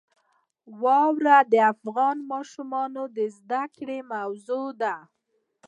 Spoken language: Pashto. واوره د افغان ماشومانو د زده کړې موضوع ده.